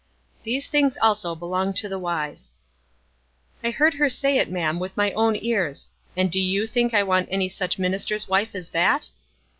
These things also belong to the wise" "I heard her say it, ma'am, with my own ears ; and do you think I want any such minis ter's wife as that?'